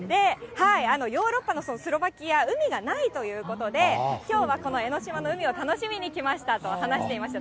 ヨーロッパのスロバキア、海がないということで、きょうはこの江の島の海を楽しみに来ましたと話していました。